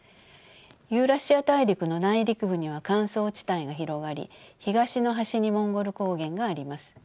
ユーラシア大陸の内陸部には乾燥地帯が広がり東の端にモンゴル高原があります。